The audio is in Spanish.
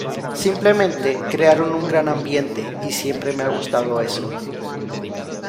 Simplemente, crearon un gran ambiente, y siempre me ha gustado eso.